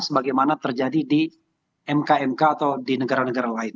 sebagaimana terjadi di mk mk atau di negara negara lain